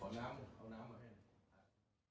ขออนุมัติขออนุมัติ